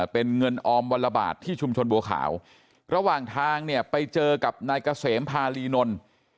เป็นเงินออมวันละบาทที่ชุมชนบัวขาวระหว่างทางเนี่ยไปเจอกับนายเกษมภารีนนท์